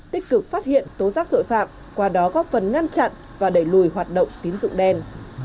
tích cực phát hiện tố giác tội phạm qua đó góp phần ngăn chặn và đẩy lùi hoạt động tín dụng đen